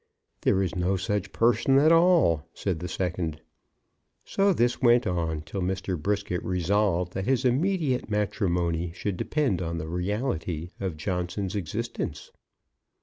"There is no such person at all," said the second. So this went on till Mr. Brisket resolved that his immediate matrimony should depend on the reality of Johnson's existence.